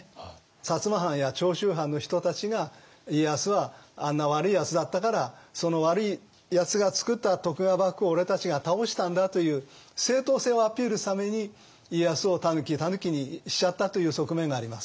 薩摩藩や長州藩の人たちが家康はあんな悪いやつだったからその悪いやつが作った徳川幕府を俺たちが倒したんだという正当性をアピールするために家康を「たぬき」にしちゃったという側面があります。